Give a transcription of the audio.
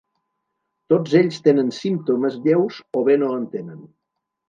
Tots ells tenen símptomes lleus o bé no en tenen.